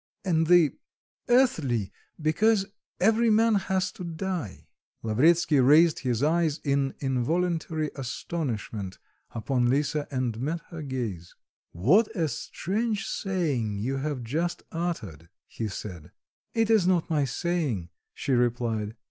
and the... earthly, but because every man has to die." Lavretsky raised his eyes in involuntary astonishment upon Lisa and met her gaze. "What a strange saying you have just uttered!" he said. "It is not my saying," she replied.